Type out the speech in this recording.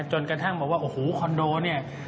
จนกระทั่งบอกว่าโอ้โหคอนโดเนี่ย